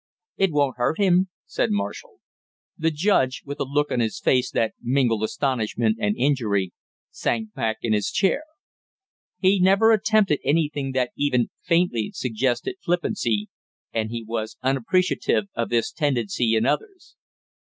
"It won't hurt him!" said Marshall. The judge, with a look on his face that mingled astonishment and injury, sank back in his chair. He never attempted anything that even faintly suggested flippancy, and he was unappreciative of this tendency in others.